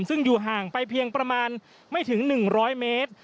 ซึ่งอยู่ห่างไปเพียงประมาณไม่ถึง๑๐๐เมตร